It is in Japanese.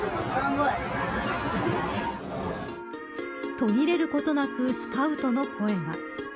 途切れることなくスカウトの声が。